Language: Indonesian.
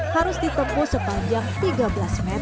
tumpuk tumpuk siangnya itu bisa ini